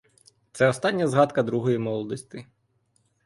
Це остання згадка другої молодости.